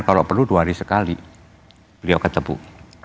kalau perlu dua hari sekali beliau ketemu